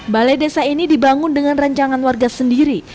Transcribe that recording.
balai desa ini dibangun dengan rancangan warga sendiri